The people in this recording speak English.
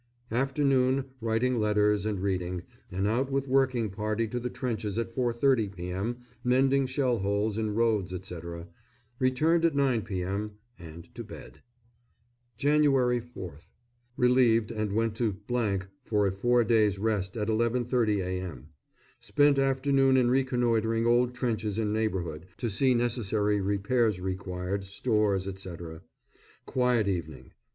Afternoon, writing letters and reading, and out with working party to the trenches at 4.30 p.m., mending shell holes in roads, etc. Returned at 9 p.m., and to bed. Jan. 4th. Relieved and went to for a four days' rest, at 11.30 a.m. Spent afternoon in reconnoitring old trenches in neighbourhood, to see necessary repairs required, stores, etc. Quiet evening.